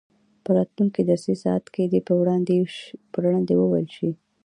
په راتلونکي درسي ساعت کې دې په وړاندې وویل شي.